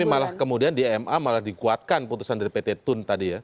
tapi malah kemudian di ma malah dikuatkan putusan dari pt tun tadi ya